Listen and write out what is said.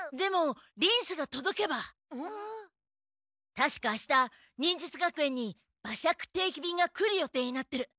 たしかあした忍術学園に馬借定期便が来る予定になってる。